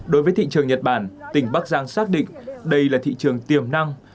đối với thị trường nhật bản tỉnh bắc giang xác định đây là thị trường tiềm năng